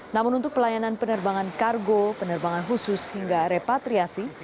namun untuk pelayanan penerbangan kargo penerbangan khusus hingga repatriasi